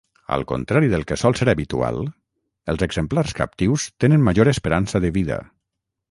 Al contrari del que sol ser habitual, els exemplars captius tenen major esperança de vida.